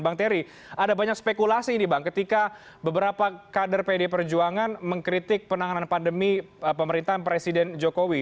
bang terry ada banyak spekulasi ini bang ketika beberapa kader pd perjuangan mengkritik penanganan pandemi pemerintahan presiden jokowi